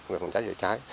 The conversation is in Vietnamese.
về phòng cháy chữa cháy